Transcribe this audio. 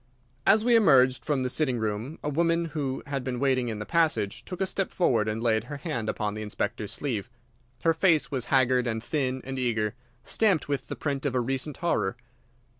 As we emerged from the sitting room a woman, who had been waiting in the passage, took a step forward and laid her hand upon the Inspector's sleeve. Her face was haggard and thin and eager, stamped with the print of a recent horror.